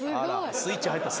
スイッチ入った。